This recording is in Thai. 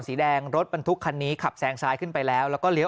สีแดงรถบรรทุกคันนี้ขับแซงซ้ายขึ้นไปแล้วแล้วก็เลี้ย